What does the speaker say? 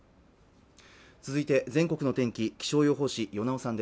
続いて全国の天気